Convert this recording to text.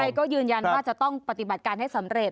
ก็ยืนยันว่าจะต้องปฏิบัติการให้สำเร็จ